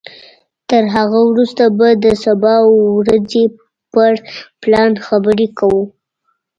تر هغه وروسته به د سبا ورځې پر پلان خبرې کوو.